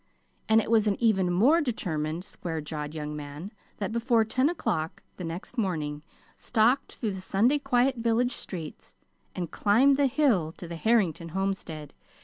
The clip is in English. And it was an even more determined, square jawed young man that, before ten o'clock the next morning, stalked through the Sunday quiet village streets and climbed the hill to the Harrington homestead.